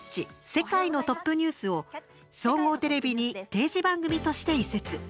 世界のトップニュース」を総合テレビに定時番組として移設。